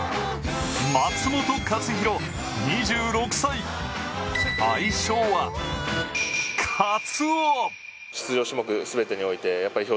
松元克央２６歳、愛称はカツオ。